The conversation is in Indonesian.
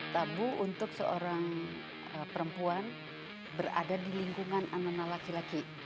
tabu untuk seorang perempuan berada di lingkungan anak anak laki laki